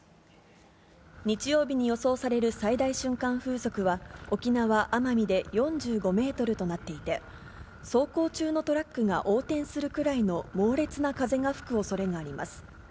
日曜日に予想される最大瞬間風速は、沖縄・奄美で４５メートルとなっていて、走行中のトラックが横転するくらいの猛烈な風が吹くおそれがあります。